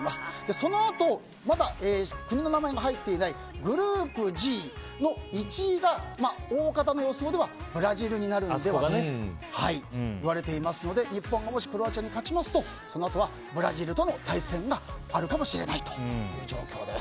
そのあとまだ国の名前が入っていないグループＧの１位が大方の予想ではブラジルになるのではといわれていますので日本がもしクロアチアに勝ちますとそのあとは、ブラジルとの対戦があるかもしれない状況です。